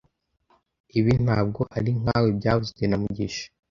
Ibi ntabwo ari nkawe byavuzwe na mugisha